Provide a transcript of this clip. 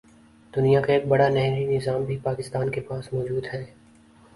دنیا کا ایک بڑا نہری نظام بھی پاکستان کے پاس موجود ہے